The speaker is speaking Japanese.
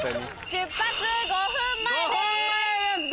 出発５分前です！